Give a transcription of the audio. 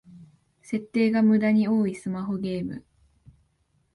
設定がムダに多いスマホゲーム